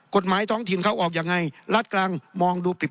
กฎหมายท้องถิ่นเขาออกยังไงรัฐกลางมองดูปิบ